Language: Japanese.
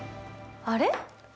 あれ？